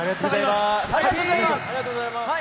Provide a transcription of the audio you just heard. ありがとうございます。